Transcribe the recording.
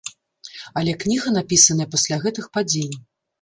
Але кніга напісаная пасля гэтых падзей.